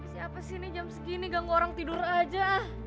siapa sini jam segini ganggu orang tidur aja